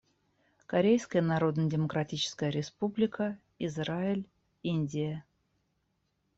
Корейская Народно-Демократическая Республика, Израиль, Индия.